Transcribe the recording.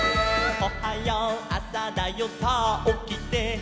「おはようあさだよさあおきて」